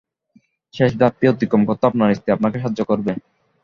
শেষ ধাপটি অতিক্রম করতে আপনার স্ত্রী আপনাকে সাহায্য করবে।